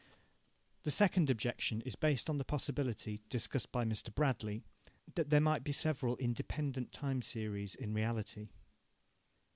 The second objection is based on the possibility, discussed by Mr. Bradley, that there might be several independent time series in reality.